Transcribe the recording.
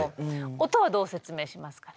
音はどう説明しますかね？